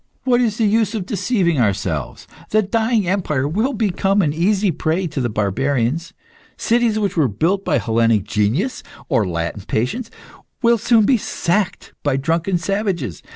What is the use of deceiving ourselves? The dying empire will become an easy prey to the barbarians. Cities which were built by Hellenic genius, or Latin patience, will soon be sacked by drunken savages.